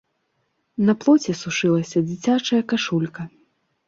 На плоце сушылася дзіцячая кашулька.